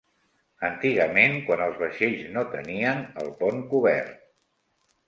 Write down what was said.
Antigament, quan els vaixells no tenien el pont cobert.